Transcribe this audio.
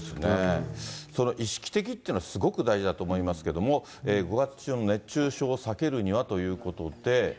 その意識的っていうのは、すごく大事だと思いますけども、５月中の熱中症を避けるにはということで。